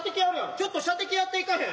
ちょっと射的やっていかへん？